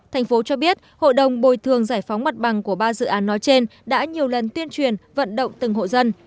thành phố cho biết hội đồng bồi thường giải phóng mặt bằng của ba dự án nói trên đã nhiều lần tuyên truyền vận động từng hộ dân